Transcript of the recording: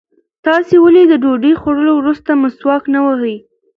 تاسې ولې د ډوډۍ خوړلو وروسته مسواک نه وهئ؟